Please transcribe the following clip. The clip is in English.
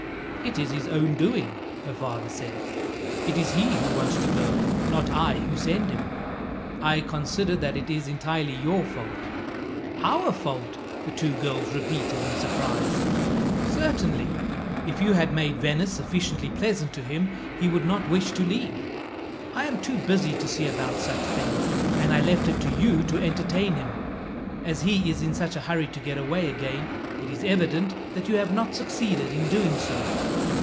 "It is his own doing," her father said. "It is he who wants to go, not I who send him. I consider that it is entirely your fault." "Our fault!" the two girls repeated in surprise. "Certainly. If you had made Venice sufficiently pleasant to him, he would not wish to leave. I am too busy to see about such things, and I left it to you to entertain him. As he is in such a hurry to get away again, it is evident that you have not succeeded in doing so."